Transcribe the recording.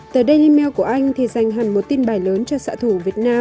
tờ daily mail của anh thì dành hành vi